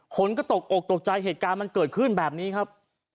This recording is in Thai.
คนก็ตกอกตกใจเหตุการณ์มันเกิดขึ้นแบบนี้ครับ